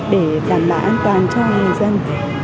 để đảm bảo an toàn cho người dân